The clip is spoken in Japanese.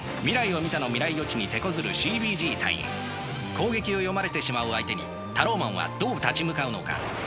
攻撃を読まれてしまう相手にタローマンはどう立ち向かうのか。